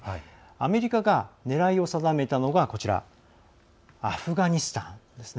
アメリカが、狙いを定めたのがアフガニスタンです。